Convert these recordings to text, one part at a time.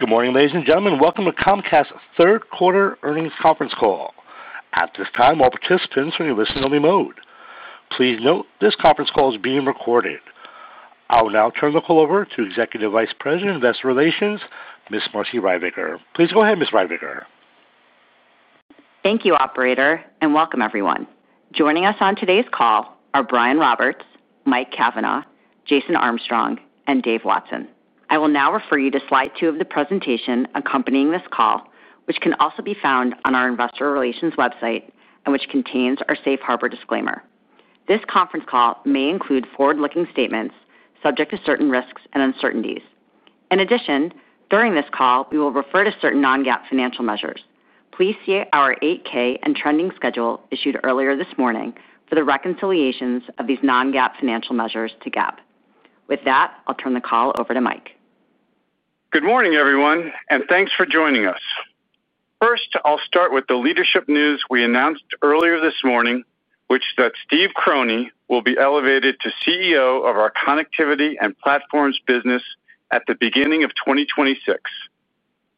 Good morning, ladies and gentlemen. Welcome to Comcast third quarter earnings conference call. At this time, all participants are in a listening only mode. Please note this conference call is being recorded. I will now turn the call over. To Executive Vice President of Investor Relations, Ms. Marci Ryvicker. Please go ahead, Ms. Ryvicker. Thank you, operator, and welcome, everyone. Joining us on today's call are Brian Roberts, Mike Cavanagh, Jason Armstrong, and Dave Watson. I will now refer you to slide two of the presentation accompanying this call, which can also be found on our investor relations website and which contains our safe harbor disclaimer. This conference call may include forward-looking statements subject to certain risks and uncertainties. In addition, during this call we will refer to certain non-GAAP financial measures. Please see our 8-K and trending schedule issued earlier this morning for the reconciliations of these non-GAAP financial measures to GAAP. With that, I'll turn the call over to Mike. Good morning everyone and thanks for joining us. First I'll start with the leadership news. We announced earlier this morning that Steve Croney will be elevated to CEO of our Connectivity and Platforms business at the beginning of 2026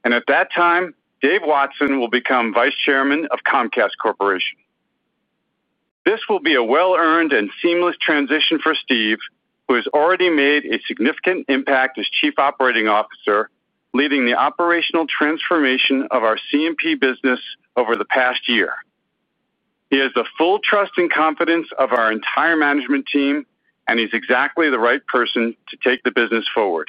and at that time Dave Watson will become Vice Chairman of Comcast Corporation. This will be a well-earned and seamless transition for Steve, who has already made a significant impact as Chief Operating Officer, leading the operational transformation of our CMP business over the past year. He has the full trust and confidence of our entire management team and he's exactly the right person to take the business forward.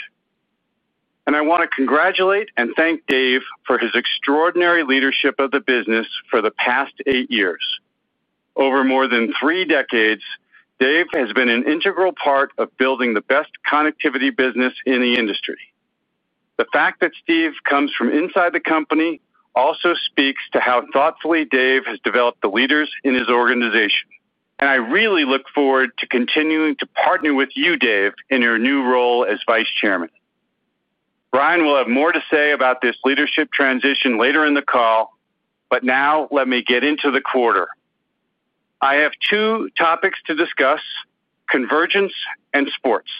I want to congratulate and thank Dave for his extraordinary leadership of the business for the past eight years. Over more than three decades, Dave has been an integral part of building the best connectivity business in the industry. The fact that Steve comes from inside the company also speaks to how thoughtfully Dave has developed the leaders in his organization. I really look forward to continuing to partner with you, Dave, in your new role as Vice Chairman. Brian will have more to say about this leadership transition later in the call. Now let me get into the quarter. I have two topics to discuss: convergence and sports.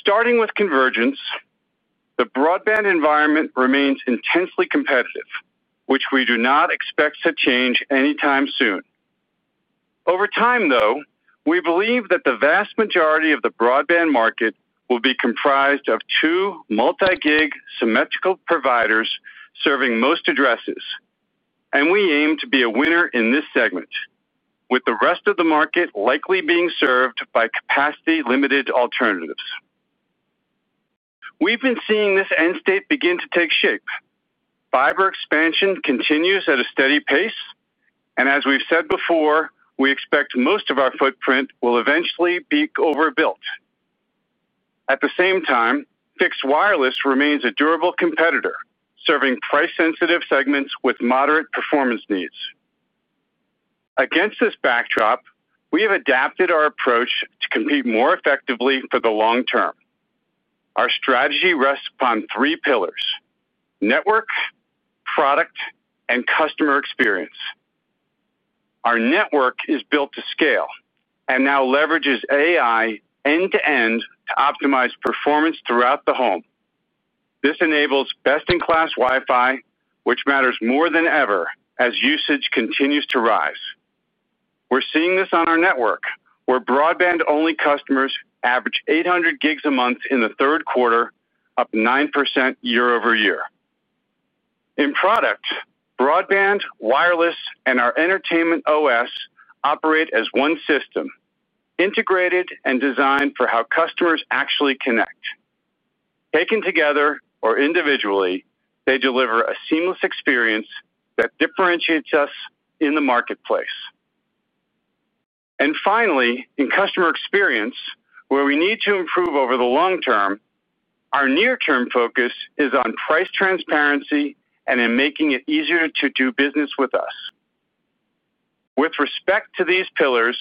Starting with convergence, the broadband environment remains intensely competitive, which we do not expect to change anytime soon. Over time, though, we believe that the vast majority of the broadband market will be comprised of two multi-gig symmetrical providers serving most addresses and we aim to be a winner in this segment. With the rest of the market likely being served by capacity-limited alternatives, we've been seeing this end state begin to take shape. Fiber expansion continues at a steady pace and as we've said before, we expect most of our footprint will eventually be overbuilt. At the same time, fixed wireless remains a durable competitor serving price-sensitive segments with moderate performance needs. Against this backdrop, we have adapted our approach to compete more effectively for the long term. Our strategy rests upon three pillars: network, product, and customer experience. Our network is built to scale and now leverages AI end to end to optimize performance throughout the home. This enables best-in-class Wi-Fi, which matters more than ever as usage continues to rise. We're seeing this on our network where broadband-only customers average 800 GB a month in the third quarter, up 9% year-over-year in product. Broadband, wireless, and our Entertainment OS operate as one system, integrated and designed for how customers actually connect. Taken together or individually, they deliver a seamless experience that differentiates us in the marketplace, and finally in customer experience where we need to improve over the long term. Our near-term focus is on price transparency and in making it easier to do business with us. With respect to these pillars,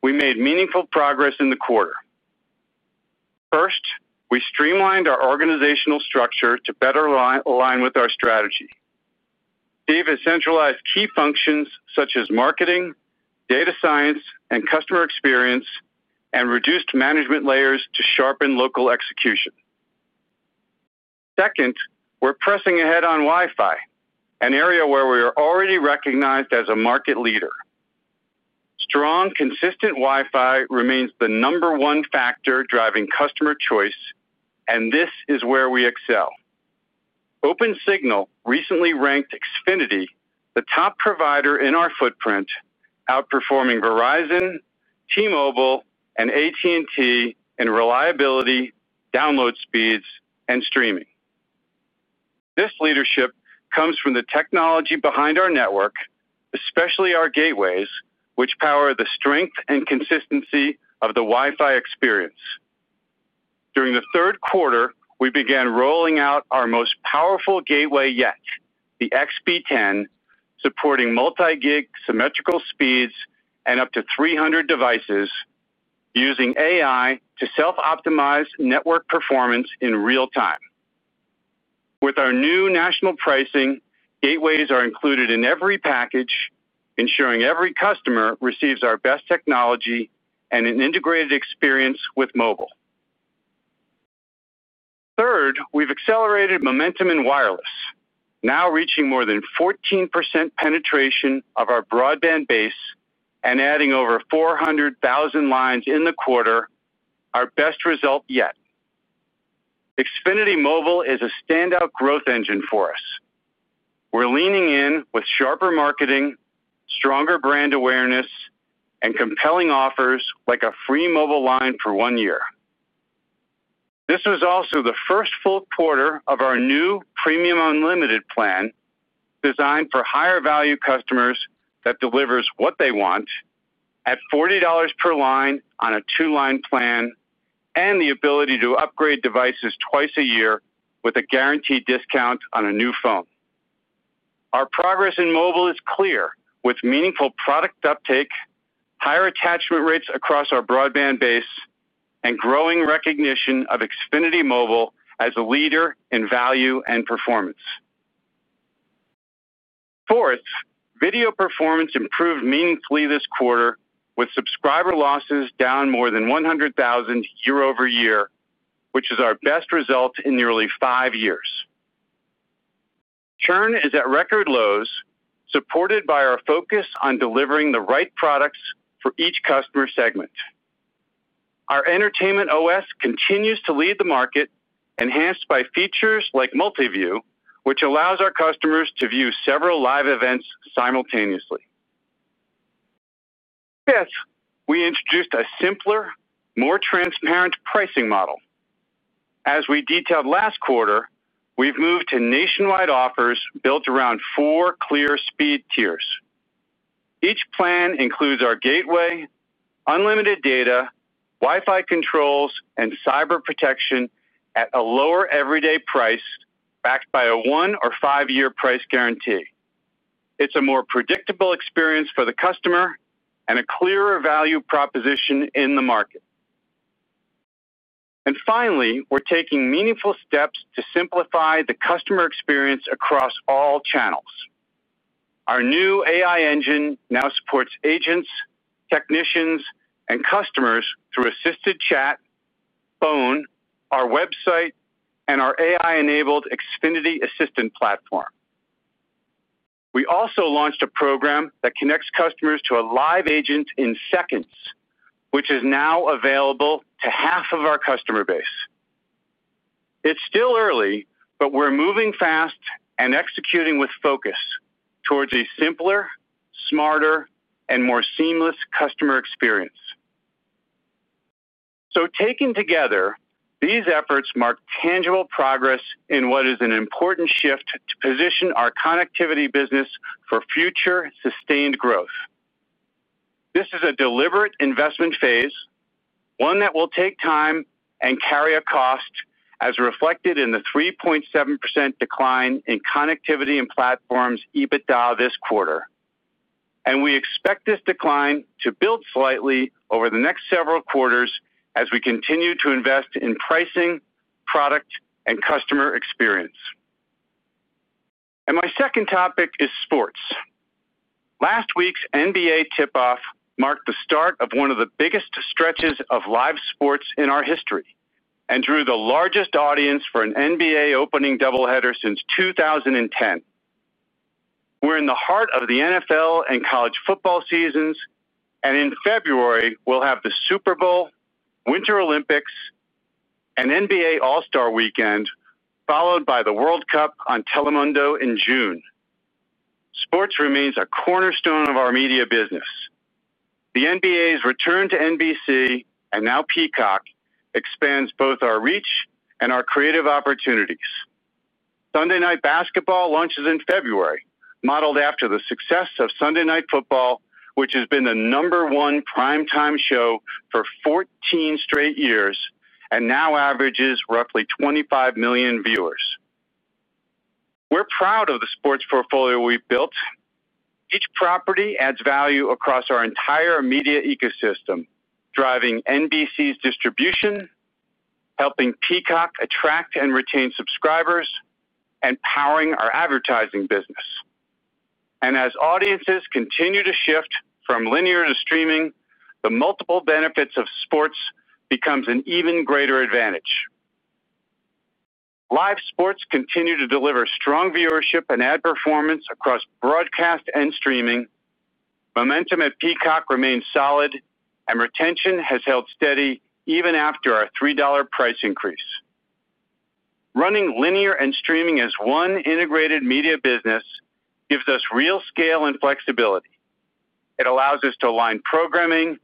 we made meaningful progress in the quarter. First, we streamlined our organizational structure to better align with our strategy. Dave has centralized key functions such as marketing, data science, and customer experience, and reduced management layers to sharpen local execution. Second, we're pressing ahead on Wi-Fi, an area where we are already recognized as a market leader. Strong, consistent Wi-Fi remains the number one factor driving customer choice, and this is where we excel. Opensignal recently ranked Xfinity the top provider in our footprint, outperforming Verizon, T-Mobile, and AT&T in reliability, download speeds, and streaming. This leadership comes from the technology behind our network, especially our gateways, which power the strength and consistency of the Wi-Fi experience. During the third quarter, we began rolling out our most powerful gateway yet, the XB10, supporting multi-gig symmetrical speeds and up to 300 devices, using AI to self-optimize network performance in real time. With our new national pricing, gateways are included in every package, ensuring every customer receives our best technology and an integrated experience with mobile. Third, we've accelerated momentum in wireless, now reaching more than 14% penetration of our broadband base and adding over 400,000 lines in the quarter. Our best result yet. Xfinity Mobile is a standout growth engine for us. We're leaning in with sharper marketing, stronger brand awareness, and compelling offers like a free mobile line for one year. This was also the first full quarter of our new premium unlimited plan designed for higher-value customers that delivers what they want at $40 per line on a two-line plan and the ability to upgrade devices twice a year with a guaranteed discount on a new phone. Our progress in mobile is clear with meaningful product uptake, higher attachment rates across our broadband base, and growing recognition of Xfinity Mobile as a leader in value and performance. Fourth, video performance improved meaningfully this quarter with subscriber losses down more than 100,000 year-over-year, which is our best result in nearly five years. Churn is at record lows, supported by our focus on delivering the right products for each customer segment. Our Entertainment OS continues to lead the market, enhanced by features like Multiview which allows our customers to view several live events simultaneously. Fifth, we introduced a simpler, more transparent pricing model. As we detailed last quarter, we've moved to nationwide offers built around four clear speed tiers. Each plan includes our gateway, unlimited data, Wi-Fi controls, and cyber protection at a lower everyday price backed by a one or five year price guarantee. It's a more predictable experience for the customer and a clearer value proposition in the market. Finally, we're taking meaningful steps to simplify the customer experience across all channels. Our new AI engine now supports agents, technicians, and customers through assisted chat, phone, our website, and our AI-enabled Xfinity Assistant platform. We also launched a program that connects customers to a live agent in seconds, which is now available to half of our customer base. It's still early, but we're moving fast and executing with focus towards a simpler, smarter, and more seamless customer experience. Taken together, these efforts mark tangible progress in what is an important shift to position our connectivity business for future sustained growth. This is a deliberate investment phase, one that will take time and carry a cost as reflected in the 3.7% decline in connectivity and platforms EBITDA this quarter, and we expect this decline to build slightly over the next several quarters as we continue to invest in pricing, product, and customer experience. My second topic is sports. Last week's NBA tip off marked the start of one of the biggest stretches of live sports in our history and drew the largest audience for an NBA opening doubleheader since 2010. We're in the heart of the NFL and college football seasons, and in February we'll have the Super Bowl, Winter Olympics, and NBA All Star Weekend, followed by the World Cup on Telemundo in June. Sports remains a cornerstone of our media business. The NBA's return to NBC and now Peacock expands both our reach and our creative opportunities. Sunday Night Basketball launches in February, modeled after the success of Sunday Night Football, which has been the number one primetime show for 14 straight years and now averages roughly 25 million viewers. We're proud of the sports portfolio we've built. Each property adds value across our entire media ecosystem, driving NBC's distribution, helping Peacock attract and retain subscribers, and powering our advertising business. As audiences continue to shift from linear to streaming, the multiple benefits of sports becomes an even greater advantage. Live sports continue to deliver strong viewership and ad performance across broadcast and streaming. Momentum at Peacock remains solid and retention has held steady even after our $3 price increase. Running linear and streaming as one integrated media business gives us real scale and flexibility. It allows us to align programming,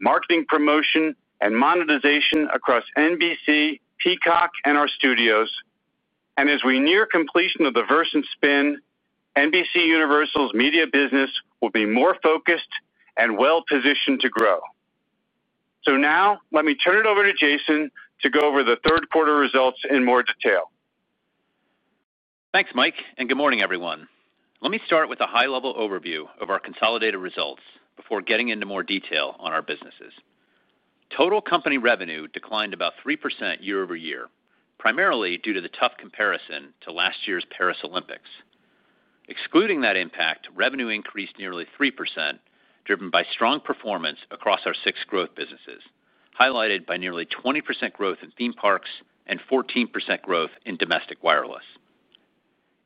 marketing, promotion, and monetization across NBC, Peacock, and our studios. As we near completion of the Versant spin, NBCUniversal's media business will be more focused and well positioned to grow. Let me turn it over to Jason to go over the third quarter results in more detail. Thanks Mike and good morning everyone. Let me start with a high level overview of our consolidated results before getting into more detail on our businesses. Total company revenue declined about 3% year-over-year, primarily due to the tough comparison to last year's Paris Olympics. Excluding that impact, revenue increased nearly 3%, driven by strong performance across our six growth businesses, highlighted by nearly 20% growth in theme parks and 14% growth in domestic wireless.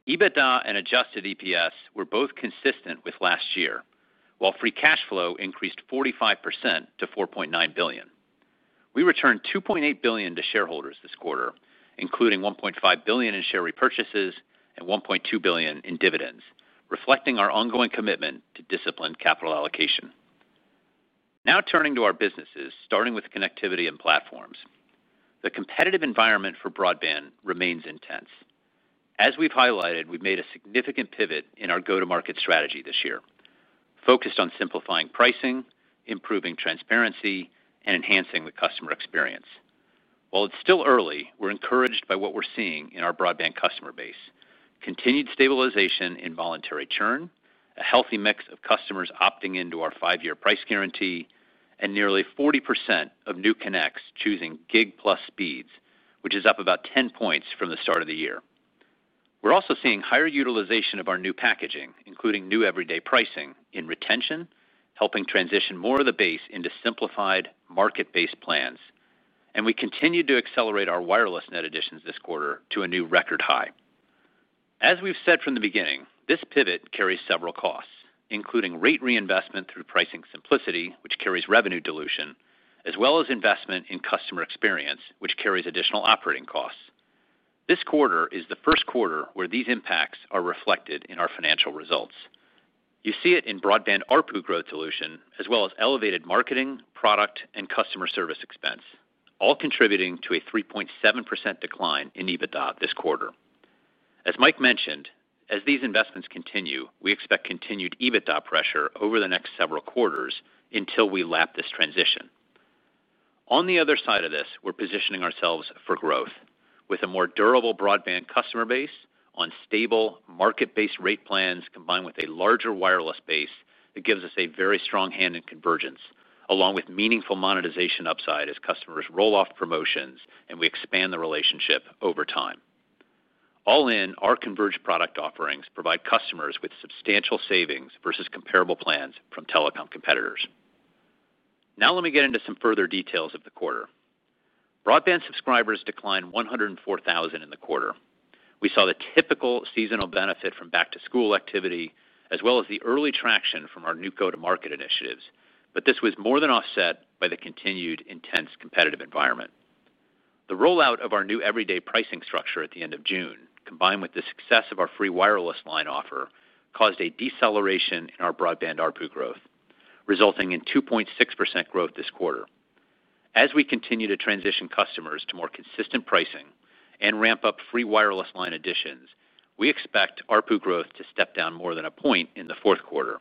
EBITDA and adjusted EPS were both consistent with last year, while free cash flow increased 45% to $4.9 billion. We returned $2.8 billion to shareholders this quarter, including $1.5 billion in share repurchases and $1.2 billion in dividends, reflecting our ongoing commitment to disciplined capital allocation. Now turning to our businesses, starting with connectivity and platforms, the competitive environment for broadband remains intense as we've highlighted. We've made a significant pivot in our go to market strategy this year focused on simplifying pricing, improving transparency, and enhancing the customer experience. While it's still early, we're encouraged by what we're seeing in our broadband customer base, continued stabilization in voluntary churn, a healthy mix of customers opting into our five year price guarantee, and nearly 40% of new connects choosing Gig speeds, which is up about 10 points from the start of the year. We're also seeing higher utilization of our new packaging, including new everyday pricing in retention, helping transition more of the base into simplified market based plans. We continue to accelerate our wireless net additions this quarter to a new record high. As we've said from the beginning, this pivot carries several costs including rate reinvestment through pricing simplicity, which carries revenue dilution as well as investment in customer experience which carries additional operating costs. This quarter is the first quarter where these impacts are reflected in our financial results. You see it in broadband ARPU growth, dilution as well as elevated marketing, product, and customer service expense, all contributing to a 3.7% decline in EBITDA this quarter. As Mike mentioned, as these investments continue, we expect continued EBITDA pressure over the next several quarters until we lap this transition. On the other side of this, we're positioning ourselves for growth with a more durable broadband customer base on stable market-based rate plans combined with a larger wireless base that gives us a very strong hand in convergence along with meaningful monetization upside as customers roll off promotions and we expand the relationship over time. All in, our converged product offerings provide customers with substantial savings versus comparable plans from telecom competitors. Now let me get into some further details of the quarter. Broadband subscribers declined 104,000 in the quarter. We saw the typical seasonal benefit from back-to-school activity as well as the early traction from our new go-to-market initiatives, but this was more than offset by the continued intense competitive environment. The rollout of our new everyday pricing structure at the end of June, combined with the success of our free wireless line offer, caused a deceleration in our broadband ARPU growth, resulting in 2.6% growth this quarter. As we continue to transition customers to more consistent pricing and ramp up free wireless line additions, we expect ARPU growth to step down more than a point in the fourth quarter,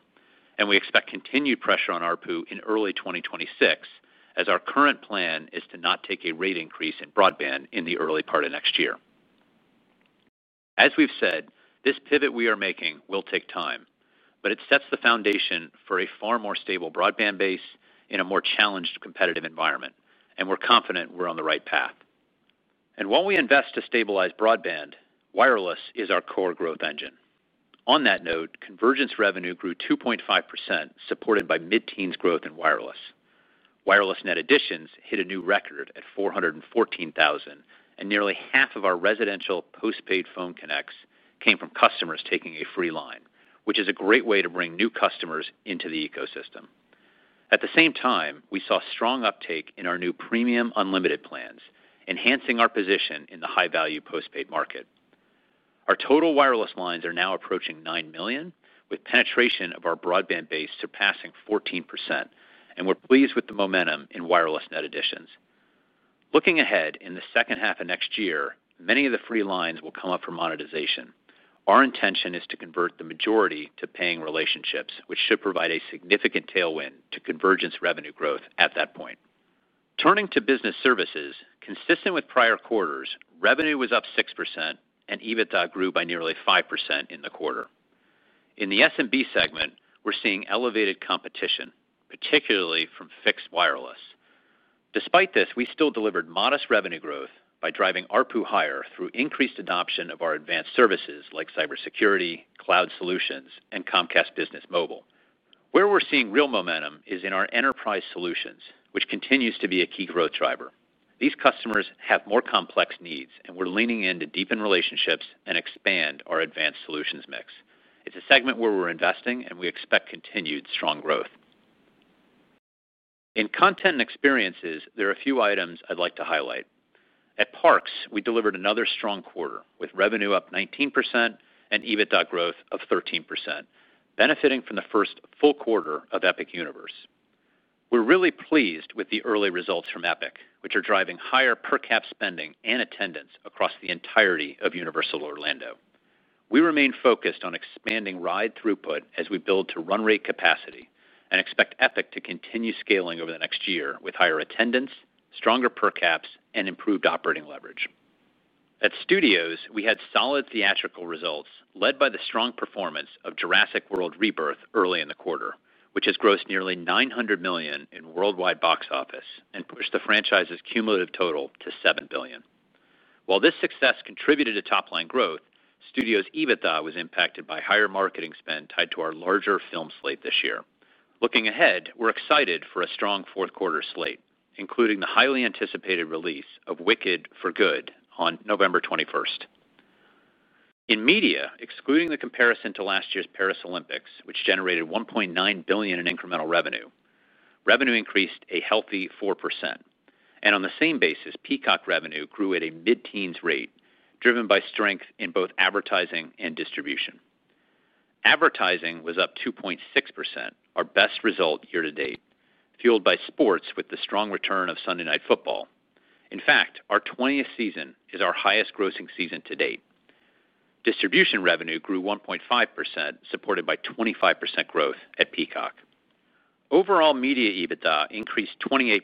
and we expect continued pressure on ARPU in early 2026 as our current plan is to not take a rate increase in broadband in the early part of next year. As we've said, this pivot we are making will take time, but it sets the foundation for a far more stable broadband base in a more challenged competitive environment, and we're confident we're on the right path. While we invest to stabilize broadband, wireless is our core growth engine. On that note, convergence revenue grew 2.5% supported by mid-teens growth in wireless. Wireless net additions hit a new record at 414,000, and nearly half of our residential postpaid phone connects came from customers taking a free line, which is a great way to bring new customers into the ecosystem. At the same time, we saw strong uptake in our new premium unlimited plans, enhancing our position in the high-value postpaid market. Our total wireless lines are now approaching 9 million, with penetration of our broadband base surpassing 14%, and we're pleased with the momentum in wireless net additions. Looking ahead, in the second half of next year, many of the free lines will come up for monetization. Our intention is to convert the majority to paying relationships, which should provide a significant tailwind to convergence revenue growth at that point. Turning to business services, consistent with prior quarters, revenue was up 6% and EBITDA grew by nearly 5% in the quarter. In the SMB segment, we're seeing elevated competition, particularly from fixed wireless. Despite this, we still delivered modest revenue growth by driving ARPU higher through increased adoption of our advanced services like Cybersecurity Cloud Solutions and Comcast Business Mobile. Where we're seeing real momentum is in our Enterprise Solutions, which continues to be a key growth driver. These customers have more complex needs and we're leaning in to deepen relationships and expand our advanced solutions mix. It's a segment where we're investing and we expect continued strong growth in content and experiences. There are a few items I'd like to highlight. At parks, we delivered another strong quarter with revenue up 19% and EBITDA growth of 13%, benefiting from the first full quarter of Epic Universe. We're really pleased with the early results from Epic, which are driving higher per cap spending and attendance across the entirety of Universal Orlando. We remain focused on expanding ride throughput as we build to run rate capacity and expect Epic to continue scaling over the next year. With higher attendance, stronger per caps, and improved operating leverage at studios, we had solid theatrical results led by the strong performance of Jurassic World Rebirth early in the quarter, which has grossed nearly $900 million in worldwide box office and pushed the franchise's cumulative total to $7 billion. While this success contributed to top line growth, studios EBITDA was impacted by higher marketing spend tied to our larger film slate this year. Looking ahead, we're excited for a strong fourth quarter slate including the highly anticipated release of Wicked: For Good on November 21st. In media, excluding the comparison to last year's Paris Olympics, which generated $1.9 billion in incremental revenue, revenue increased a healthy 4% and on the same basis, Peacock revenue grew at a mid-teens rate driven by strength in both advertising and distribution. Advertising was up 2.6%, our best result year to date, fueled by sports with the strong return of Sunday Night Football. In fact, our 20th season is our highest grossing season to date. Distribution revenue grew 1.5% supported by 25% growth at Peacock. Overall media EBITDA increased 28%,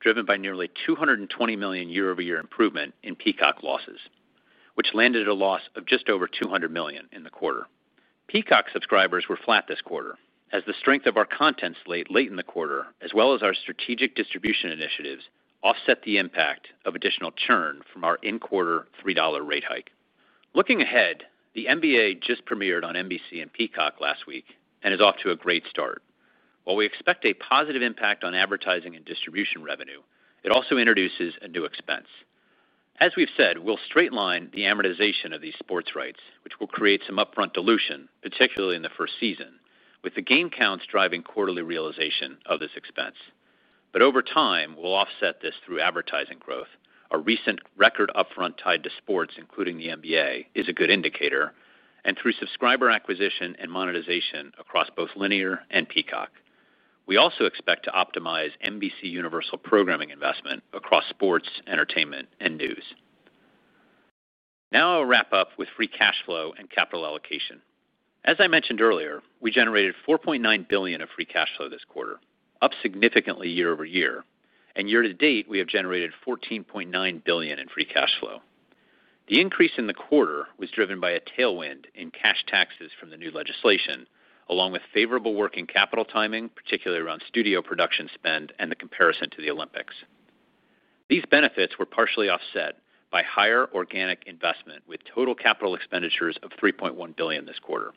driven by nearly $220 million year-over-year improvement in Peacock losses which landed at a loss of just over $200 million in the quarter. Peacock subscribers were flat this quarter as the strength of our content late in the quarter as well as our strategic distribution initiatives offset the impact of additional churn from our in quarter $3 rate hike. Looking ahead, the NBA just premiered on NBC and Peacock last week and is off to a great start. While we expect a positive impact on advertising and distribution revenue, it also introduces a new expense. As we've said, we'll straight line the amortization of these sports rights which will create some upfront dilution, particularly in the first season with the game counts driving quarterly realization of this expense. Over time we'll offset this through advertising growth. A recent record upfront tied to sports including the NBA is a good indicator and through subscriber acquisition and monetization across both linear and Peacock. We also expect to optimize NBCUniversal programming investment across sports, entertainment, and news. Now I'll wrap up with free dash flow and capital allocation. As I mentioned earlier, we generated $4.9 billion of free cash flow this quarter, up significantly year-over-year and year to date we have generated $14.9 billion in free cash flow. The increase in the quarter was driven by a tailwind in cash taxes from the new legislation, along with favorable working capital timing, particularly around studio production spend and the comparison to the Olympics. These benefits were partially offset by higher organic investment with total capital expenditures of $3.1 billion this quarter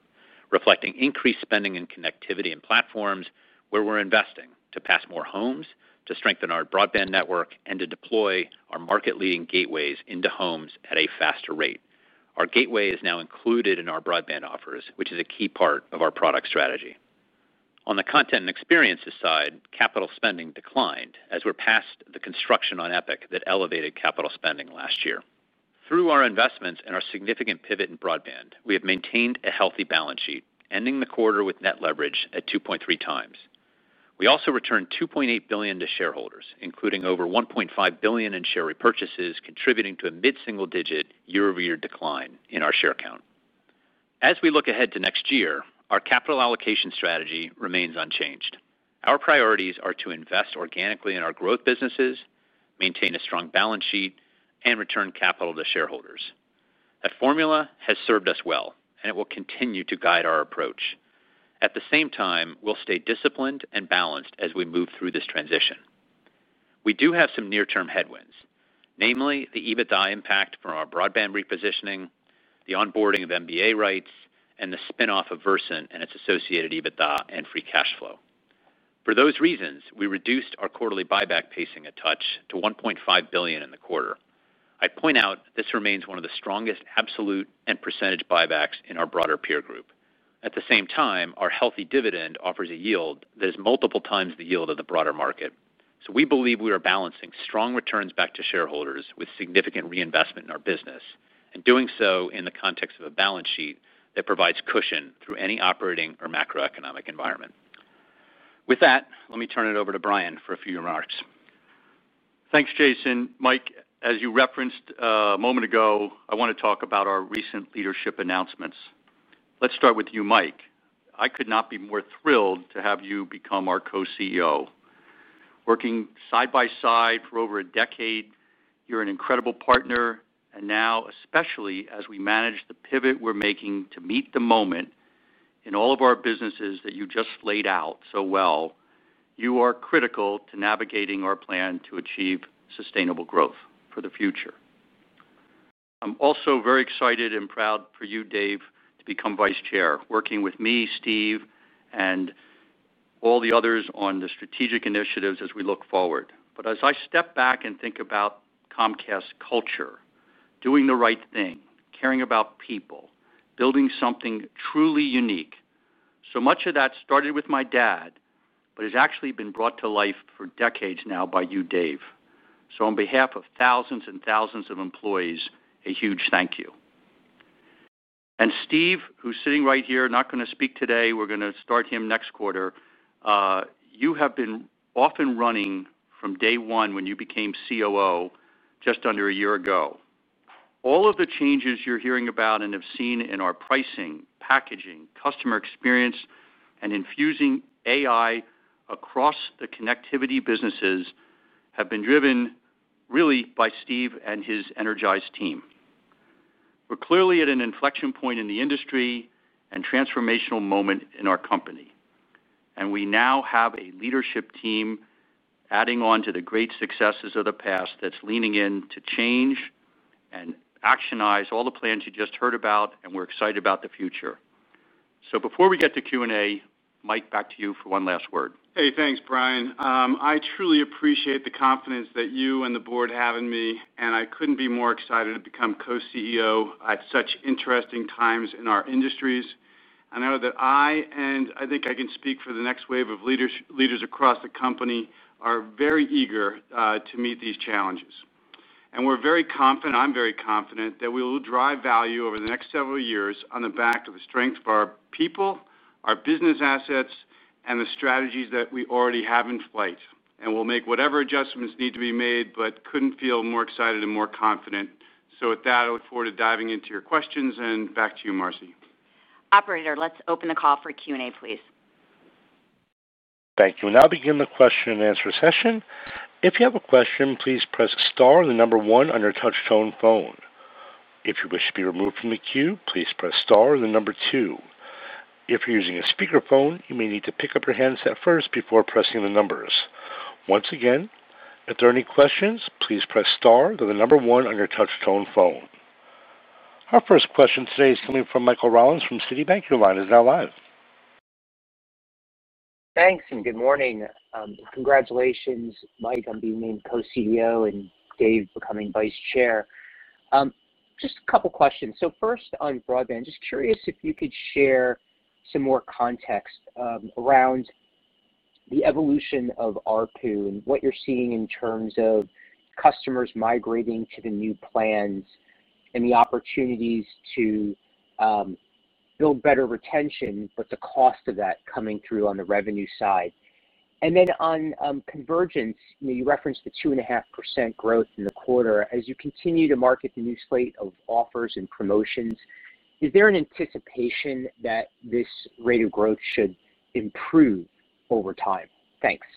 reflecting increased spending in connectivity and platforms where we're investing to pass more homes to strengthen our broadband network and to deploy our market leading gateways into homes at a faster rate. Our gateway is now included in our broadband offers which is a key part of our product strategy. On the content and experiences side, capital spending declined as we're past the construction on Epic that elevated capital spending last year. Through our investments and our significant pivot in broadband, we have maintained a healthy balance sheet, ending the quarter with net leverage at 2.3x. We also returned $2.8 billion to shareholders, including over $1.5 billion in share repurchases, contributing to a mid single digit year-over-year decline in our share count. As we look ahead to next year, our capital allocation strategy remains unchanged. Our priorities are to invest organically in our growth businesses, maintain a strong balance sheet, and return capital to shareholders. That formula has served us well, and it will continue to guide our approach. At the same time, we will stay disciplined and balanced as we move through this transition. We do have some near term headwinds, namely the EBITDA impact from our broadband repositioning, the onboarding of NBA rights, and the spinoff of Versant and its associated EBITDA and free cash flow. For those reasons, we reduced our quarterly buyback pacing a touch to $1.5 billion in the quarter. I point out this remains one of the strongest absolute and percentage buybacks in our broader peer group. At the same time, our healthy dividend offers a yield that is multiple times the yield of the broader market. We believe we are balancing strong returns back to shareholders with significant reinvestment in our business and doing so in the context of a balance sheet that provides cushion through any operating or macroeconomic environment. With that, let me turn it over to Brian for a few remarks. Thanks, Jason. Mike, as you referenced a moment ago, I want to talk about our recent leadership announcements. Let's start with you, Mike. I could not be more thrilled to have you become our Co-CEO. Working side by side for over a decade, you're an incredible partner. Now, especially as we manage the pivot we're making to meet the moment in all of our businesses that you just laid out so well, you are critical to navigating our plan to achieve sustainable growth for the future. I'm also very excited and proud for you, Dave, to become Vice Chair working with me, Steve, and all the others on the strategic initiatives as we look forward. As I step back and think about Comcast culture, doing the right thing, caring about people, building something truly unique, so much of that started with my dad, but has actually been brought to life for decades now by you, Dave. On behalf of thousands and thousands of employees, a huge thank you. Steve, who's sitting right here, not going to speak today, we're going to start him next quarter. You have been off and running from day one, when you became COO just under a year ago. All of the changes you're hearing about and have seen in our pricing, packaging, customer experience, and infusing AI across the connectivity businesses have been driven really by Steve and his energized team. We're clearly at an inflection point in the industry and a transformational moment in our company, and we now have a leadership team adding on to the great successes of the past that's leaning in to change and actionize all the plans you just heard about. We're excited about the future. Before we get to Q&A, Mike, back to you for one last word. Hey, thanks, Brian. I truly appreciate the confidence that you and the board have in me, and I couldn't be more excited to become Co-CEO at such interesting times in our industries. I know that I, and I think I can speak for the next wave of leaders across the company, are very eager to meet these challenges, and we're very confident, I'm very confident that we will drive value over the next several years on the back of the strength. Of our people, our business assets, and. The strategies that we already have in flight. We will make whatever adjustments need to be made, but couldn't feel more excited and more confident. With that, I look forward to diving into your questions. Back to you, Marci. Operator, let's open the call for Q&A, please. Thank you. Now begin the question and answer session. If you have a question, please press star then the number one on your touch tone phone. If you wish to be removed from the queue, please press star then the number two. If you're using a speakerphone, you may need to pick up your handset first before pressing the numbers. Once again, if there are any questions, please press star then the number one on your touch tone phone. Our first question today is coming from Michael Rollins from Citibank. Your line is now live. Thanks, and good morning. Congratulations, Mike, on being named Co-CEO and Dave becoming Vice Chair. Just a couple questions. First on broadband, just curious if you could share some more context around the evolution of ARPU and what you're seeing in terms of customers migrating to the new plans and the opportunities to build better retention, but the cost of that coming through on the revenue side. On convergence, you referenced the. 2.5% growth in the quarter. As you continue to market the new slate of offers and promotions, is there an anticipation that this rate of growth should improve over time? Thanks.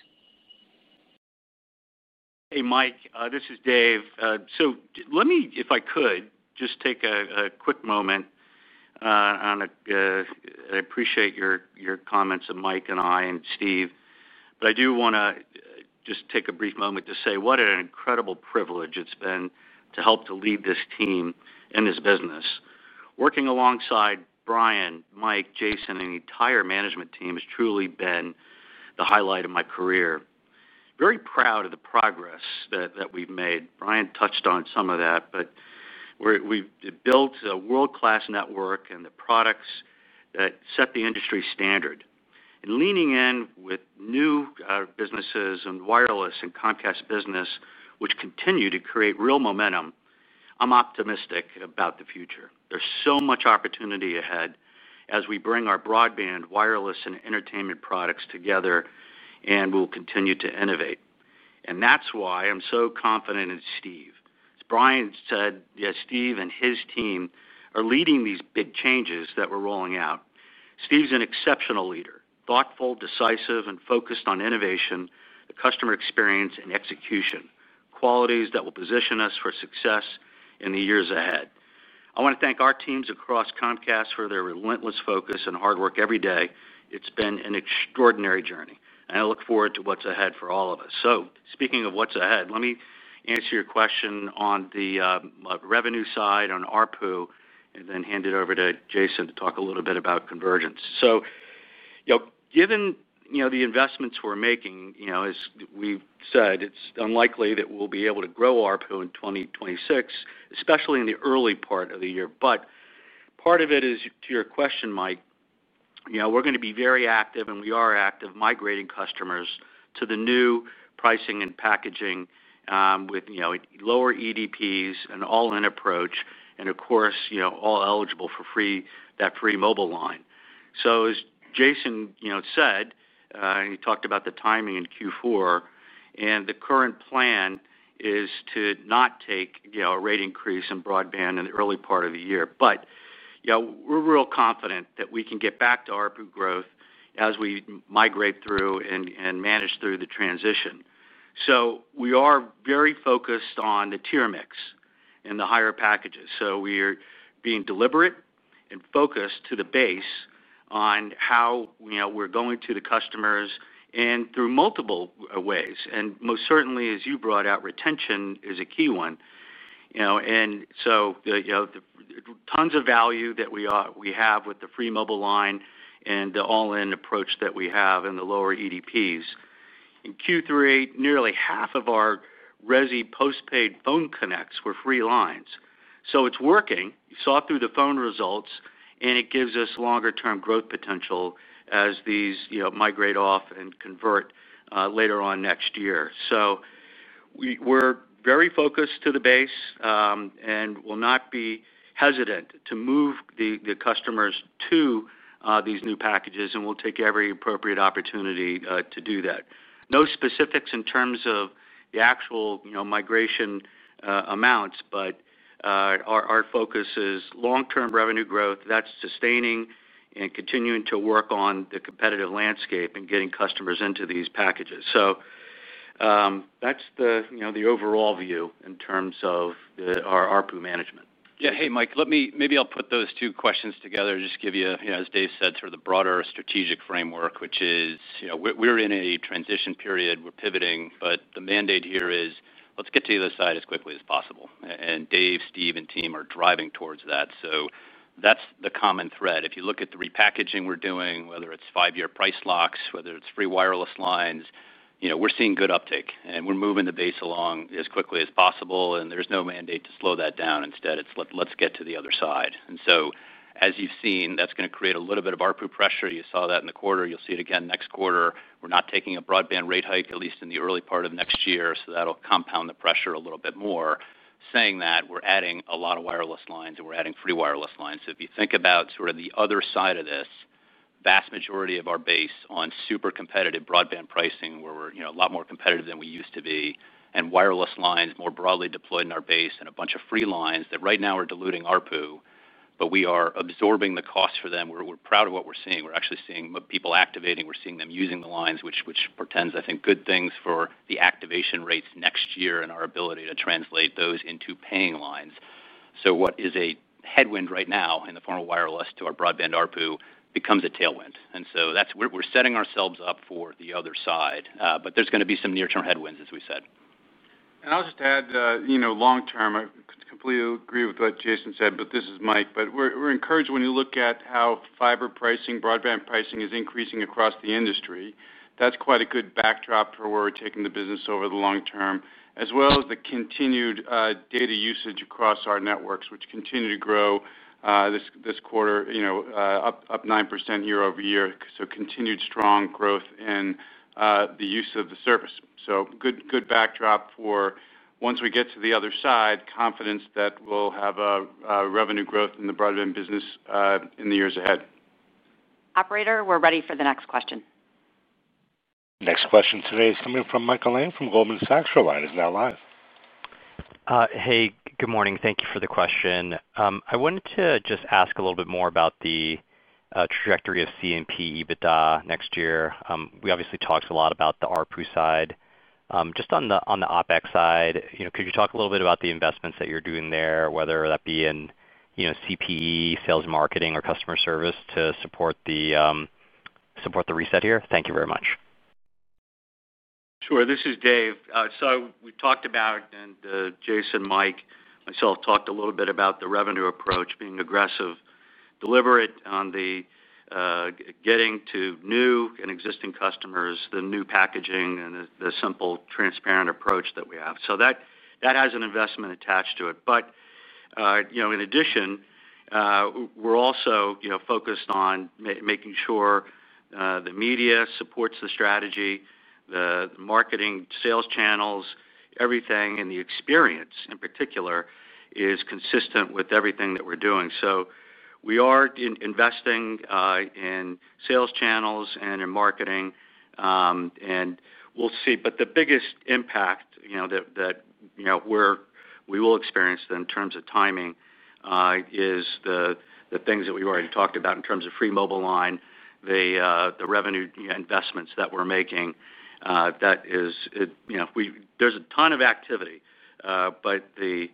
Hey Mike, this is Dave. Let me, if I could, just take a quick moment. I appreciate your comments of Mike and I and Steve, but I do want to just take a brief moment to say what an incredible privilege it's been to help to lead this team and this business. Working alongside Brian, Mike, Jason, and the entire management team has truly been the highlight of my career. Very proud of the progress that we've made. Brian touched on some of that. We built a world-class network and the products that set the industry standard, and leaning in with new businesses and wireless and Comcast Business, which continue to create real momentum. I'm optimistic about the future. There's so much opportunity ahead as we bring our broadband, wireless, and entertainment products together, and we'll continue to innovate. That's why I'm so confident in Steve. As Brian said, he, yes, Steve and his team are leading these big changes that we're rolling out. Steve's an exceptional leader, thoughtful, decisive, and focused on innovation, the customer experience, and execution, qualities that will position us for success in the years ahead. I want to thank our teams across Comcast for their relentless focus and hard work every day. It's been an extraordinary journey, and I look forward to what's ahead for all of us. Speaking of what's ahead, let me answer your question on the revenue side on ARPU and then hand it over to Jason to talk a little bit about convergence. Given the investments we're making, as we said, it's unlikely that we'll be able to grow ARPU in 2026, especially in the early part of the year. Part of it is to your question, Mike. We're going to be very active, and we are active migrating customers to the new pricing and packaging with lower EDPs, an all-in approach, and of course all eligible for that free mobile line. As Jason said, he talked about the timing in Q4, and the current plan is to not take a rate increase in broadband in the early part of the year. We're real confident that we can get back to ARPU growth as we migrate through and manage through the transition. We are very focused on the tier mix and the higher packages. We are being deliberate and focused to the base on how we're going to the customers and through multiple ways. Retention is a key one, and tons of value that we have with the free mobile line and the all-in approach that we have in the lower EDPs. In Q3, nearly half of our resi postpaid phone connects were free lines. It is working, saw through the phone results, and it gives us longer-term growth potential as these migrate off and convert later on next year. We are very focused to the base and will not be hesitant to move the customers to these new packages, and we will take every appropriate opportunity to do that. No specifics in terms of the actual migration amounts, but our focus is long-term revenue growth that is sustaining and continuing to work on the competitive landscape and getting customers into these packages. That is the overall view in terms of our ARPU management. Yeah, hey Mike, let me put those two questions together. Just give you, as Dave said, sort of the broader strategic framework, which is we're in a transition period, we're pivoting, but the mandate here is let's get to the other side as quickly as possible and Dave, Steve, and team are driving towards that. That's the common thread. If you look at the repackaging we're doing, whether it's five-year price locks or free wireless lines, we're seeing good uptake and we're moving the base along as quickly as possible and there's no mandate to slow that down. Instead, it's let's get to the other side. As you've seen, that's going to create a little bit of ARPU pressure. You saw that in the quarter, you'll see it again next quarter. We're not taking a broadband rate hike, at least in the early part of next year. That'll compound the pressure a little bit more, saying that we're adding a lot of wireless lines and we're adding free wireless lines. If you think about the other side of this, the vast majority of our base is on super competitive broadband pricing, where we're a lot more competitive than we used to be, and wireless lines are more broadly deployed in our base and a bunch of free lines that right now are diluting ARPU, but we are absorbing the cost for them. We're proud of what we're seeing. We're actually seeing people activating, we're seeing them using the lines, which portends, I think, good things for the activation rates next year and our ability to translate those into paying lines. What is a headwind right now in the form of wireless to our broadband ARPU becomes a tailwind. We're setting ourselves up for the other side, but there's going to be some near-term headwinds, as we said. I'll just add, you know, long term, I completely agree with what Jason said. This is Mike. We are encouraged. When you look at how fiber pricing, broadband pricing is increasing across the industry, that's quite a good backdrop for where we're taking the business over the long term as well as the continued data usage across our networks, which continue to grow this quarter, up 9% year-over-year. Continued strong growth in the use of the service provides a good backdrop for once we get to the other side, confidence that we'll have revenue growth in the broadband business in the years ahead. Operator, we're ready for the next question. Next question today is coming from Michael Lang from Goldman Sachs. Your line is now live. Hey, good morning. Thank you for the question. I wanted to just ask a little. Bit more about the trajectory of CMP EBITDA next year. We obviously talked a lot about the ARPU side. Just on the OpEx side, could you. Talk a little bit about the investments. That you're doing there, whether that be. In CPE, sales, marketing, or customer service. To support the reset here. Thank you very much. Sure. This is Dave. We talked about, and Jason, Mike, myself talked a little bit about the revenue approach being aggressive, deliberate on getting to new and existing customers, the new packaging, and the simple, transparent approach that we have. That has an investment attached to it. In addition, we're also focused on making sure the media supports the strategy, the marketing, sales channels, everything. The experience in particular is consistent with everything that we're doing. We are investing in sales channels and in marketing, and we'll see. The biggest impact, where we will experience in terms of timing, is the things that we already talked about in terms of free mobile line, the revenue investments that we're making. There is a ton of activity, but the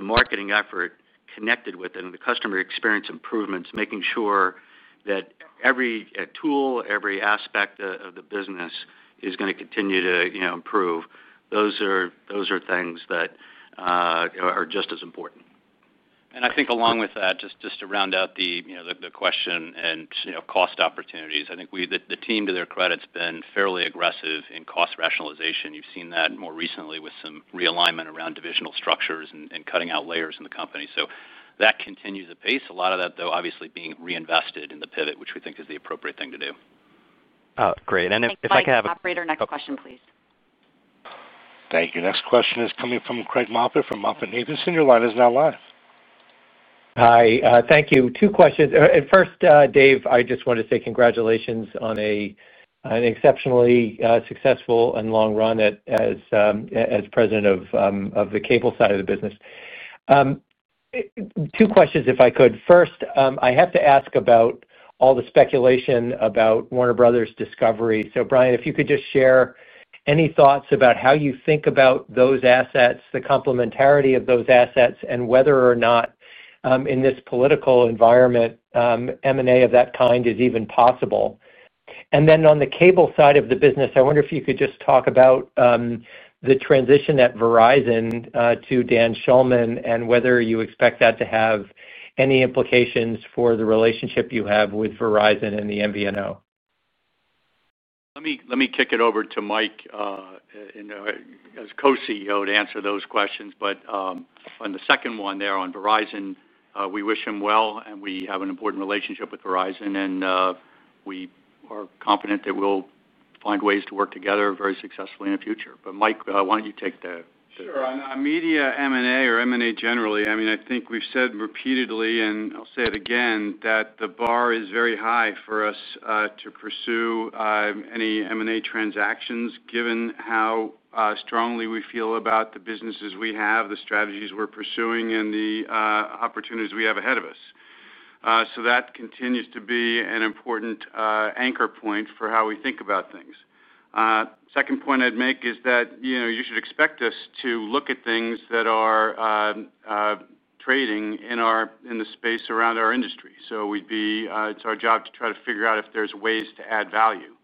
marketing effort connected with it and the customer experience improvements, making sure that every tool, every aspect of the business, is going to continue to improve. Those are things that are just as important. I think along with that, just. To round out the question and cost opportunities, I think the team to their credit has been fairly aggressive in cost rationalization. You've seen that more recently with some realignment around divisional structures and cutting out layers in the company. That continues apace. A lot of that though obviously being reinvested in the pivot, which we think is the appropriate thing to do. Great. Operator, next question please. Thank you. Next question is coming from Craig Moffett from MoffettNathanson. Your line is now live. Hi, thank you. Two questions. First, Dave, I just want to say congratulations on an exceptionally successful and long run as President of the cable side of the business. Two questions, if I could. First, I have to ask about all the speculation about Warner Bros. Discovery. Brian, if you could just share any thoughts about how you think about those assets, the complementarity of those assets, and whether or not in this political environment M&A of that kind is even possible. On the cable side of the business, I wonder if you could just talk about the transition at Verizon to Dan Shulman and whether you expect that to have any implications for the relationship you have with Verizon and the MVNO. Let me kick it over to Mike as Co-CEO to answer those questions. On the second one there on Verizon, we wish him well, and we have an important relationship with Verizon. We are confident that we'll find ways to work together very successfully in the future. Mike, why don't you take the. Sure. On media M&A or M&A generally, I mean, I think we've said repeatedly, and I'll say it again, that the bar is very high for us to pursue any M&A transactions given how strongly we feel about the businesses we have, the strategies we're pursuing, and the opportunities we have ahead of us. That continues to be an important anchor point for how we think about things. Second point I'd make is that you should expect us to look at things that are trading in the space around our industry. It's our job to try to figure out if there's ways to add value.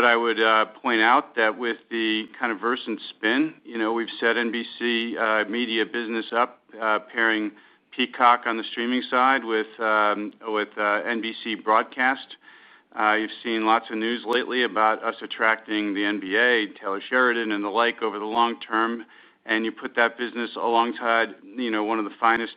I would point out that with the kind of Versant spin, we've set NBC media business up, pairing Peacock on the streaming side with NBC broadcast. You've seen lots of news lately about us attracting the NBA, Taylor Sheridan, and the like over the long term. You put that business alongside one of the finest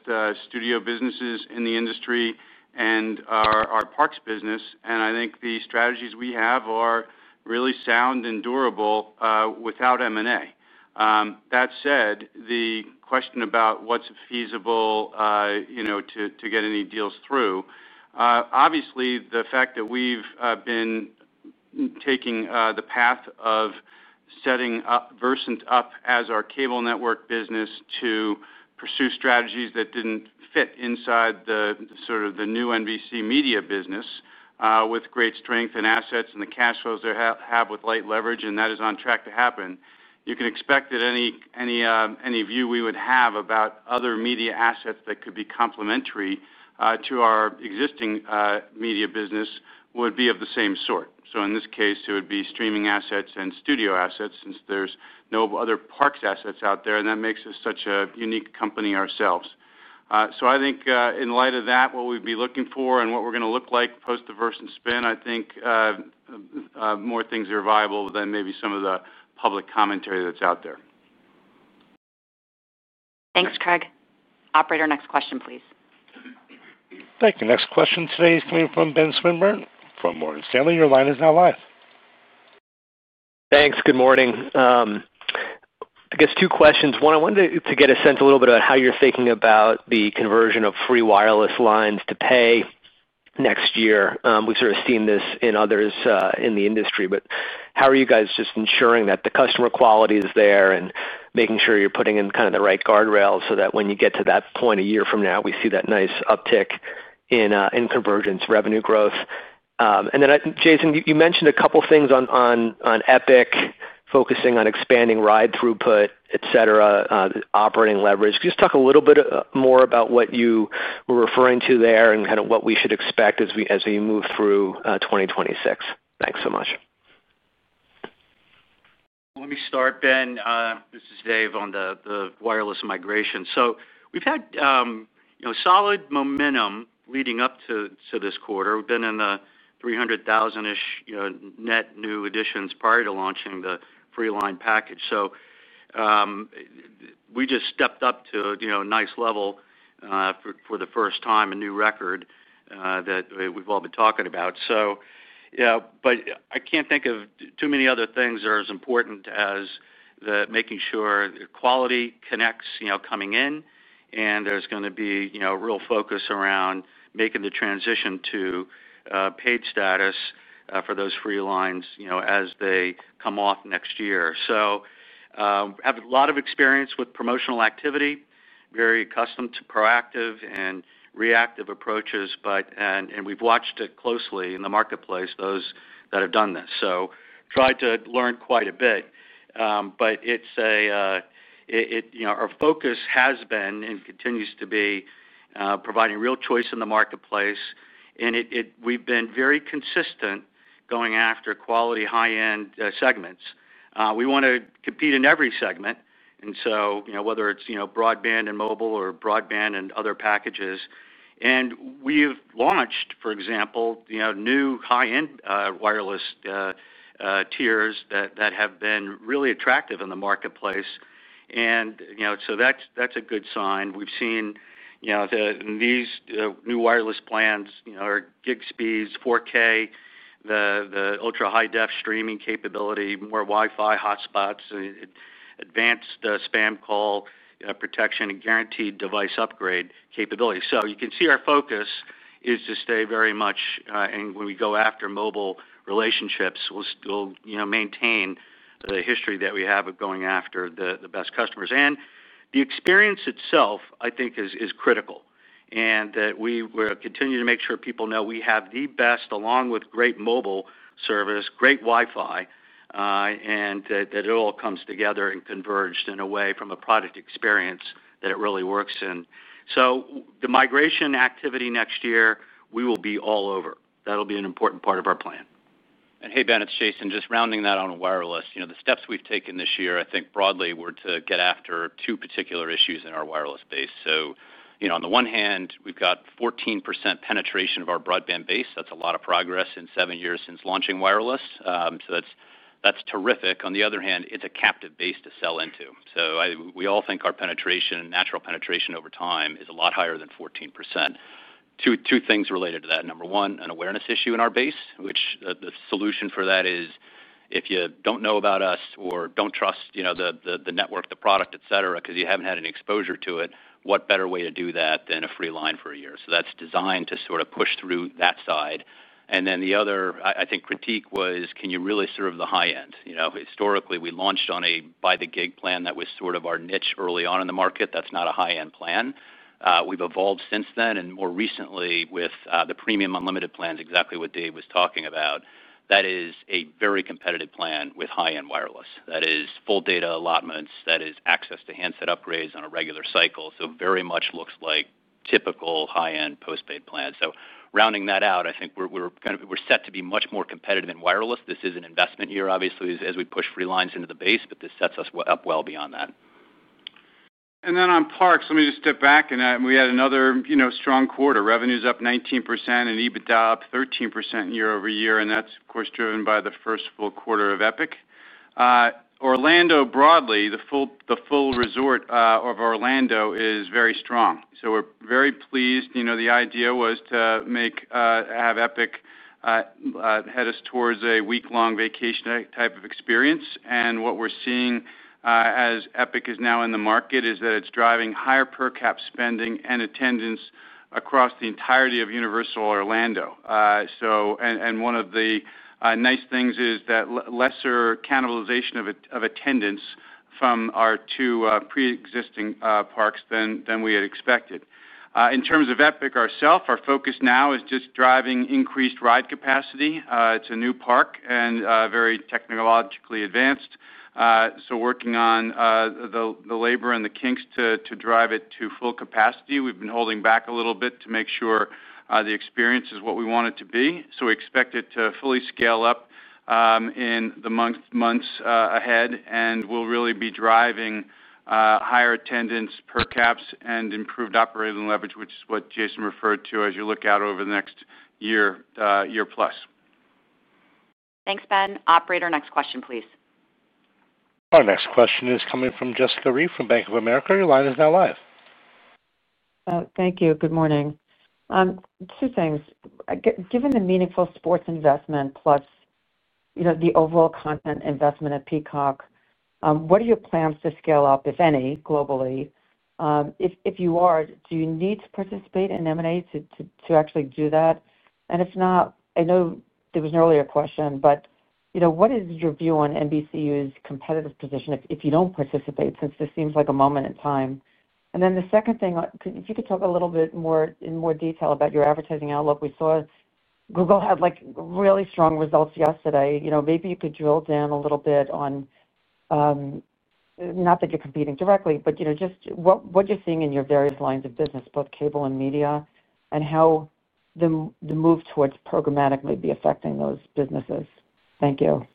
studio businesses in the industry and our parks business. I think the strategies we have are really sound and durable without M&A. That said, the question about what's feasible to get any deals through, obviously the fact that we've been taking the path of setting Versant up as our cable network business to pursue strategies that didn't fit inside the sort of the new NBC media business with great strength in assets and the cash flows they have with light leverage, and that is on track to happen, you can expect that any view we would have about other media assets that could be complementary to our existing media business would be of the same sort. In this case it would be streaming assets and studio assets since there's no other parks assets out there, and that makes us such a unique company ourselves. I think in light of that, what we'd be looking for and what we're going to look like post Versant spin, more things are viable than maybe some of the public commentary that's out there. Thanks, Craig. Operator, next question, please. Thank you. Next question. Today is coming from Ben Swinburne from Morgan Stanley. Your line is now live. Thanks. Good morning. I guess two questions. One, I wanted to get a sense a little bit about how you're thinking about the conversion of free wireless lines to pay next year. We've sort of seen this in others in the industry, but how are you guys just ensuring that the customer quality is there and making sure you're putting in kind of the right guardrails so that when you get to that point a year from now we see that nice uptick in convergence revenue growth. Jason, you mentioned a couple things on Epic focusing on expanding ride throughput, etc., operating leverage. Just talk a little bit more about what you were referring to there and kind of what we should expect as we move through 2026. Thanks so much. Let me start, Ben, this is Dave on the wireless migration. We've had solid momentum leading up to this quarter. We've been in the 300,000-ish net new additions prior to launching the free line package. We just stepped up to a nice level for the first time, a new record that we've all been talking about. I can't think of too many other things that are as important as making sure quality connects coming in. There's going to be real focus around making the transition to paid status for those free lines as they come off next year. We have a lot of experience with promotional activity, very accustomed to proactive and reactive approaches. We've watched it closely in the marketplace, those that have done this, tried to learn quite a bit. Our focus has been and continues to be providing real choice in the marketplace and we've been very consistent going after quality high end segments. We want to compete in every segment, whether it's broadband and mobile or broadband and other packages. We have launched, for example, new high end wireless tiers that have been really attractive in the marketplace and that's a good sign. We've seen these new wireless plans, our Gig speeds, 4K, the ultra high def streaming capability, more WiFi hotspots, advanced spam call protection, and guaranteed device upgrade capability. You can see our focus is to stay very much, and when we go after mobile relationships, we'll still maintain the history that we have of going after the best customers. The experience itself I think is critical and we will continue to make sure people know we have the best along with great mobile service, great WiFi, and that it all comes together and converged in a way from a product experience that it really works in. The migration activity next year we will be all over. That'll be an important part of our plan. Hey Ben, it's Jason. Just rounding that on wireless, the steps we've taken this year I think broadly were to get after two particular issues in our wireless base. On the one hand, we've got 14% penetration of our broadband base. That's a lot of progress in seven years since launching wireless. That's terrific. On the other hand, it's a captive base to sell into. We all think our penetration, natural penetration over time, is a lot higher than 14%. Two things related to that. Number one, an awareness issue in our base, which the solution for that is if you don't know about us or don't trust the network, the product, etc., because you haven't had any exposure to it, what better way to do that than a free line for a year? That's designed to push through that side. The other critique was can you really serve the high end? Historically, we launched on a buy the Gig plan that was our niche early on in the market. That's not a high end plan. We've evolved since then, and more recently with the premium unlimited plans, exactly what Dave was talking about. That is a very competitive plan with high end wireless. That is full data allotments, that is access to handset upgrades on a regular cycle. It very much looks like typical high end postpaid plans. Rounding that out, I think we're set to be much more competitive in wireless. This is an investment year obviously as we push free lines into the base, but this sets us up well beyond that. On parks, let me just step back. We had another strong quarter, revenues up 19% and EBITDA up 13% year-over-year. That's of course driven by the first full quarter of Epic Orlando. Broadly, the full resort of Orlando is very strong, so we're very pleased. The idea was to have Epic head us towards a week-long vacation type of experience. What we're seeing as Epic is now in the market is that it's driving higher per cap spending and attendance across the entirety of Universal Orlando. One of the nice things is that there's lesser cannibalization of attendance from our two pre-existing parks than we had expected. In terms of Epic itself, our focus now is just driving increased ride capacity. It's a new park and very technologically advanced, so working on the labor and the kinks to drive it to full capacity. We've been holding back a little bit to make sure the experience is what we want it to be. We expect it to fully scale up in the months ahead and we'll really be driving higher attendance, per caps, and improved operating leverage, which is what Jason referred to as you look out over the next year. Thanks, Ben. Operator, next question, please. Our next question is coming from Jessica Reif from Bank of America. Your line is now live. Thank you. Good morning. Two things. Given the meaningful sports investment plus the overall content investment at Peacock, what are your plans to scale up, if any, globally? If you are, do you need to participate in M&A to actually do that? If not, I know there was an earlier question, but what is your view on NBCUniversal's competitive position if you don't participate? This seems like a moment in time. The second thing, if you could talk a little bit in more detail about your advertising outlook. We saw Google had really strong results yesterday. Maybe you could drill down a little bit on, not that you're competing directly, but just what you're seeing in your various lines of business, both cable and media, and how the move towards programmatic may be affecting those businesses. Thank you.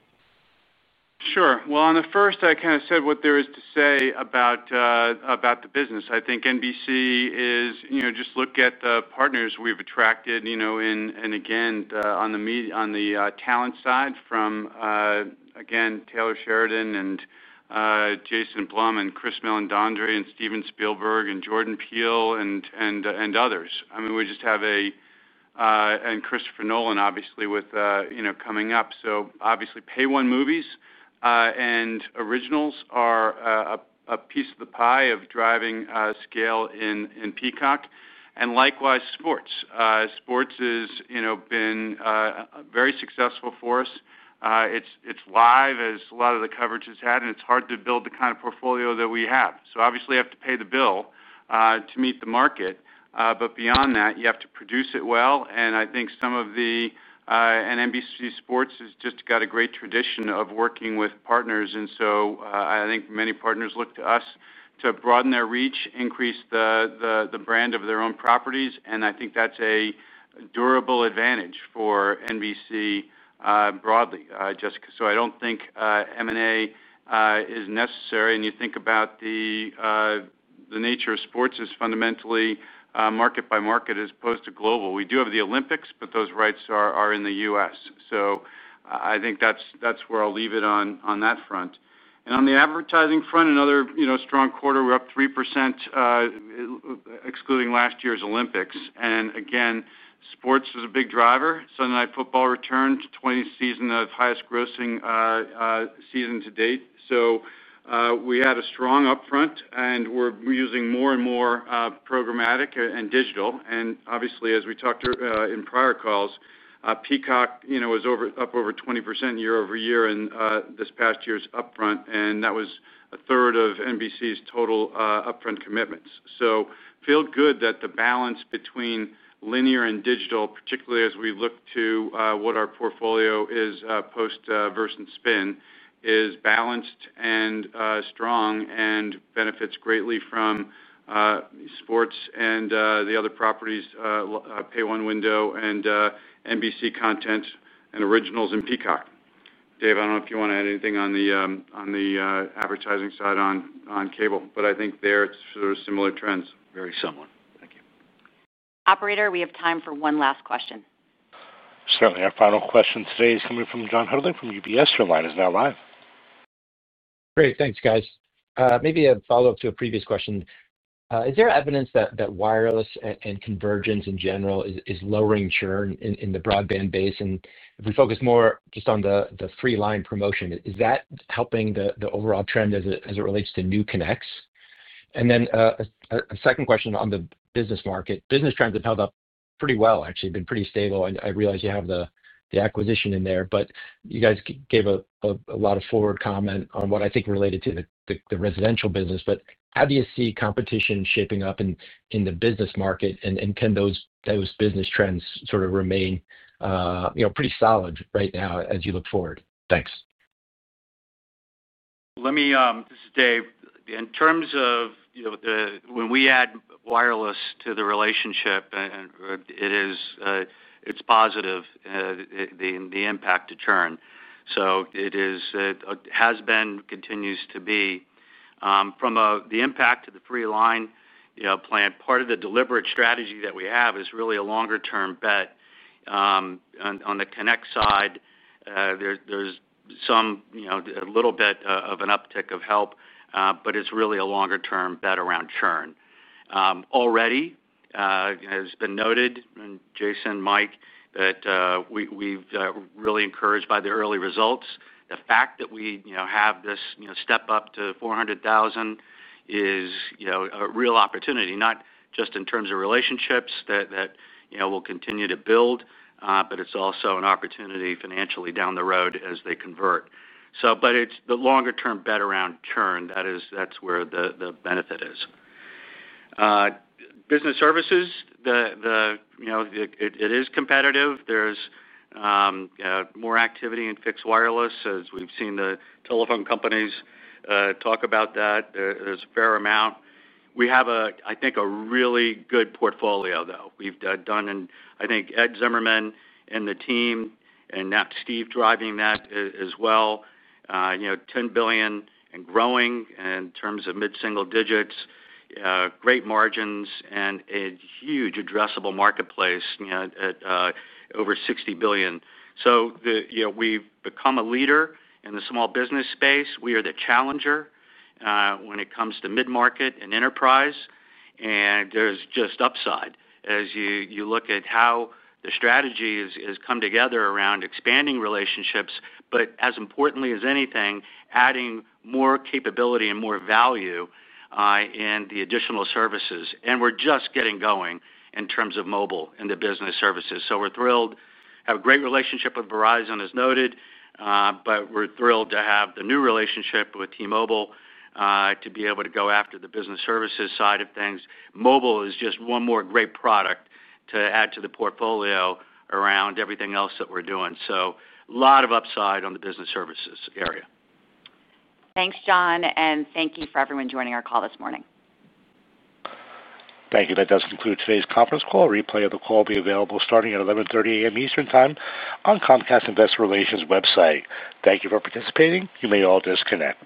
Sure. On the first, I kind of said what there is to say about the business. I think NBC is, you know, just look at the partners we've attracted, you know, in and again on the talent side from again, Taylor Sheridan and Jason Blum and Chris Meledandri and Steven Spielberg and Jordan Peele and others. I mean, we just have a, and Christopher Nolan obviously with, you know, coming up. Pay One movies and originals are a piece of the pie of driving scale in Peacock. Likewise, sports has been very successful for us. It's live as a lot of the coverage has had and it's hard to build the kind of portfolio that we have. You have to pay the bill to meet the market, but beyond that you have to produce it well. NBC Sports has just got a great tradition of working with partners. Many partners look to us to broaden their reach, increase the brand of their own properties. I think that's a durable advantage for NBC broadly, Jessica. I don't think M&A is necessary. You think about the nature of sports as fundamentally market by market as opposed to global. We do have the Olympics, but those rights are in the U.S. I think that's where I'll leave it on that front. On the advertising front, another strong quarter. We're up 3% excluding last year's Olympics. Sports was a big driver. Sunday Night Football returned, 20th season of highest grossing season to date. We had a strong upfront and we're using more and more programmatic and digital. As we talked in prior calls, Peacock was up over 20% year-over-year in this past year's upfront and that was a third of NBC's total upfront commitments. I feel good that the balance between linear and digital, particularly as we look to what our portfolio is post Versant spin, is balanced and strong and benefits greatly from sports and the other properties, Pay One window and NBC content and originals in Peacock. Dave, I don't know if you want to add anything on the advertising side on cable but I think there it's. Similar trends. Very similar. Thank you. Operator. We have time for one last question. Certainly, our final question today is coming from John Hodulik from UBS. Your line is now live. Great, thanks guys. Maybe a follow up to a previous question. Is there evidence that wireless and convergence in general is lowering churn? Broadband base, and if we focus more. Just on the three line promotion, is. that helping the overall trend as it relates to new connects? A second question on the business market. Business trends have held up pretty well, actually been pretty stable, and I realize. You have the acquisition in there. You guys gave a lot of forward comment on what I think related to the residential business. How do you see competition shaping up in the business market, and can those business trends remain pretty solid right now as you look forward? Thanks. Let me, this is Dave. In terms of when we add wireless to the relationship, it's positive, the impact to churn. It has been, continues to be, from the impact of the free line plan. Part of the deliberate strategy that we have is really a longer term bet on the connect side. There's some, you know, a little bit of an uptick of help, but it's really a longer term bet around churn. Already, it's been noted, Jason, Mike, that we're really encouraged by the early results. The fact that we have this step up to 400,000 is a real opportunity, not just in terms of relationships that will continue to build, but it's also an opportunity financially down the road as they convert. It's the longer term bet around churn. That's where the benefit is. Business services. It is competitive. There's more activity in fixed wireless as we've seen the telephone companies talk about that. There's a fair amount. We have, I think, a really good portfolio though. We've done, I think, Ed Zimmerman and the team and Steve driving that as well. You know, $10 billion and growing in terms of mid single digits, great margins, and a huge addressable marketplace at over $60 billion. We become a leader in the small business space. We are the challenger when it comes to mid market and enterprise, and there's just upside as you look at how the strategy has come together around expanding relationships, but as importantly as anything, adding more capability and more value in the additional services. We're just getting going in terms of mobile and the business services, so we're thrilled to have a great relationship with Verizon as noted, but we're thrilled to have the new relationship with T-Mobile to be able to go after the business services side of things. Mobile is just one more great product to add to the portfolio around everything else that we're doing. A lot of upside on the business services area. Thanks, John, and thank you for everyone joining our call this morning. Thank you. That does conclude today's conference call. A replay of the call will be available starting at 11:30 A.M. Eastern Time on Comcast investor relations website. Thank you for participating. You may all disconnect.